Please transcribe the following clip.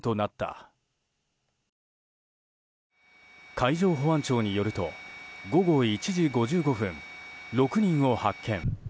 海上保安庁によると午後１時５５分、６人を発見。